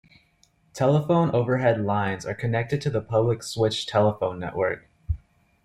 Telephone overhead lines are connected to the public switched telephone network.